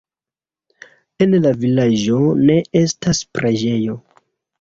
En la vilaĝo ne estas preĝejo.